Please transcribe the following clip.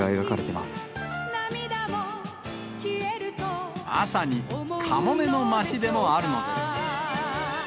まさにカモメの町でもあるのです。